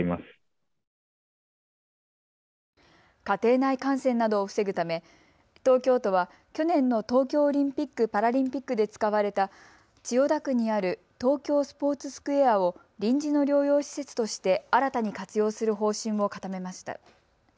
家庭内感染などを防ぐため東京都は去年の東京オリンピック・パラリンピックで使われた千代田区にある東京スポーツスクエアを臨時の療養施設として新たに活用する方針を固めました。